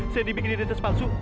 saya dibikin di ditas palsu